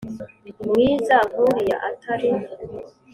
mwiza nkuriya atari